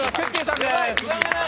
さんです。